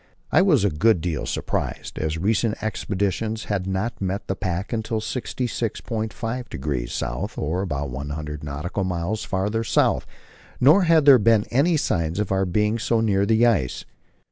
I was a good deal surprised, as recent expeditions had not met the pack until 66.5° S., or about one hundred nautical miles farther south, nor had there been any sign of our being so near the ice.